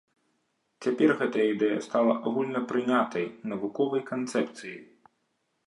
Цяпер гэтая ідэя стала агульнапрынятай навуковай канцэпцыяй.